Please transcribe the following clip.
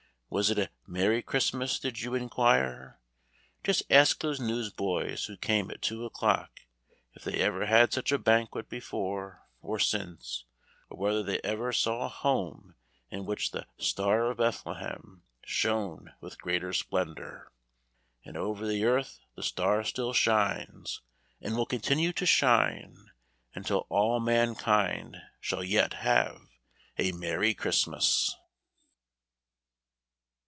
Was it a "Merry Christmas," did you inquire? Just ask those newsboys who came at two o'clock if they ever had such a banquet before or since, or whether they ever saw a home in which the "Star of Bethlehem" shone with greater splendor. And over the earth the star still shines, and will continue to shine until all mankind shall yet have a "Merry Christmas."